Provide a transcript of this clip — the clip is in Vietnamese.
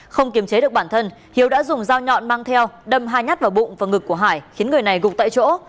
không kiềm chế được bản thân hiếu đã dùng dao nhọn mang theo đâm hai nhát vào bụng và ngực của hải khiến người này gục tại chỗ